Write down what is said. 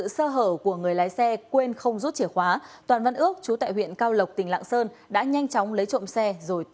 xin chào và hẹn gặp lại